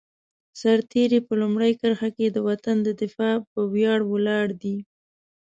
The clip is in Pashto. سرتېری په لومړۍ کرښه کې د وطن د دفاع په ویاړ ولاړ دی.